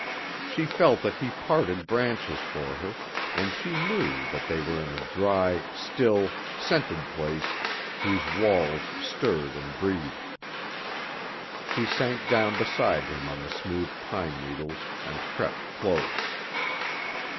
She felt that he parted branches for her, and she knew that they were in a dry, still, scented place whose walls stirred and breathed. She sank down beside him on the smooth pine needles and crept close.